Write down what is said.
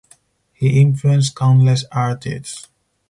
He influenced countless artists.